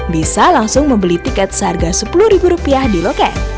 bisa langsung membeli tiket seharga sepuluh ribu rupiah di loket